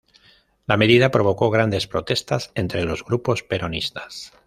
La medida provocó grandes protestas entre los grupos peronistas.